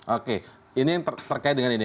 oke ini yang terkait dengan ini